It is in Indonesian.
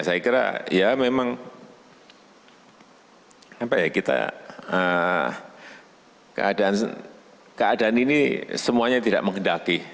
saya kira ya memang apa ya kita keadaan ini semuanya tidak mengendaliki